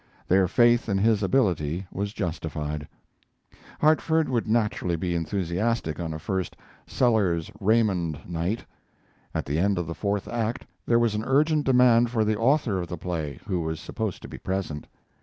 Their faith in his ability was justified. Hartford would naturally be enthusiastic on a first "Sellers Raymond" night. At the end of the fourth act there was an urgent demand for the author of the play, who was supposed to be present.